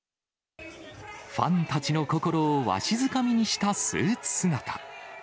ファンたちの心をわしづかみにしたスーツ姿。